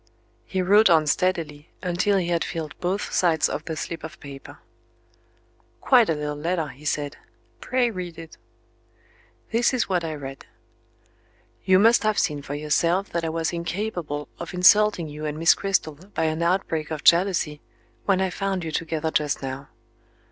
He wrote on steadily, until he had filled both sides of the slip of paper. "Quite a little letter," he said. "Pray read it." This is what I read: "You must have seen for yourself that I was incapable of insulting you and Miss Cristel by an outbreak of jealousy, when I found you together just now.